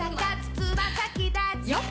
つま先だちよっ！